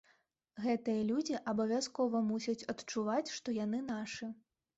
Гэтыя людзі абавязкова мусяць адчуваць, што яны нашы.